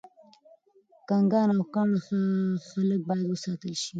ګنګان او کاڼه خلګ باید وستایل شي.